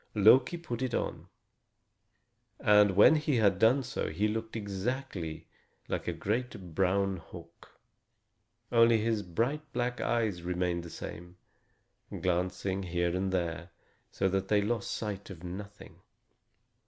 Loki put it on, and when he had done so he looked exactly like a great brown hawk. Only his bright black eyes remained the same, glancing here and there, so that they lost sight of nothing.